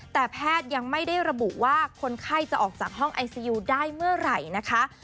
แต่แพทย์ยังไม่ได้ระบุว่าคนไข้จะออกจากห้องไอซียูได้เมื่อไหร่นะคะ